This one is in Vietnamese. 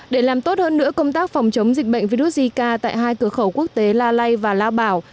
để làm tốt hơn nữa công tác phòng chống dịch bệnh virus zika tại hai cửa khẩu quốc tế la lây và lao bảo